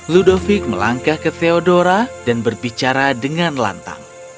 ludovic melangkah ke theodora dan berbicara dengan lantang